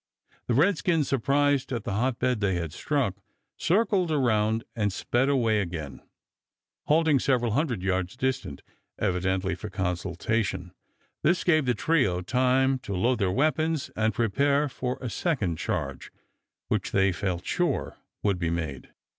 The redskins, surprised at the hot bed they had struck, circled around and sped away again, halting several hundred yards distant, evidently for consultation. This gave the trio time to load their weapons and prepare for a second charge, which they felt sure would be made.